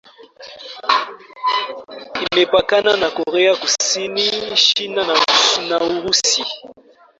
Imepakana na Korea Kusini, China na Urusi.